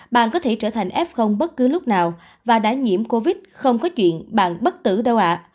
bạn có thể trở thành f bất cứ lúc nào và đã nhiễm covid không có chuyện bạn bất tử đâu ạ